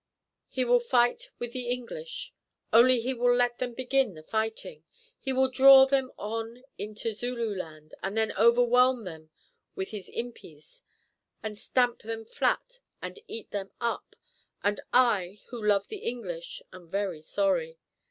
"He will fight with the English; only he will let them begin the fighting. He will draw them on into Zululand and then overwhelm them with his impis and stamp them flat, and eat them up; and I, who love the English, am very sorry.